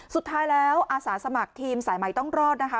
สุดท้ายแล้วอาสาสมัครทีมสายใหม่ต้องรอดนะคะ